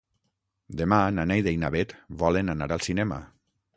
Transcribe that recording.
Demà na Neida i na Bet volen anar al cinema.